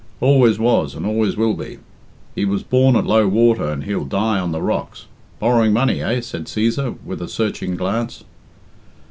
"Always was, and always will be. He was born at low water, and he'll die on the rocks. Borrowing money, eh?" said Cæsar, with a searching glance.